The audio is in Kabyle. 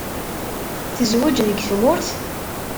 Tezweǧ deg tmurt?